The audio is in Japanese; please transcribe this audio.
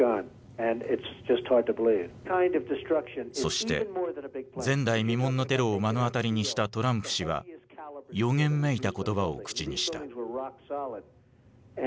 そして前代未聞のテロを目の当たりにしたトランプ氏は予言めいた言葉を口にした。